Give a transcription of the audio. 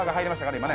今ね。